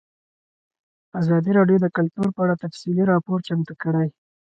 ازادي راډیو د کلتور په اړه تفصیلي راپور چمتو کړی.